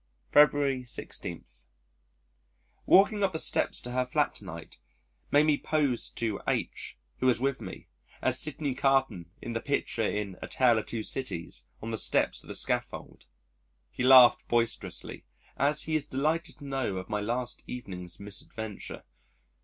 February 16. Walking up the steps to her flat to night made me pose to H (who was with me) as Sydney Carton in the picture in A Tale of Two Cities on the steps of the scaffold. He laughed boisterously, as he is delighted to know of my last evening's misadventure.